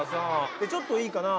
でちょっといいかな？